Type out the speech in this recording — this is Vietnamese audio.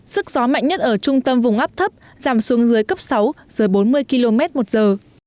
sức gió mạnh nhất ở trung tâm vùng áp thấp giảm xuống dưới cấp sáu dưới bốn mươi km một giờ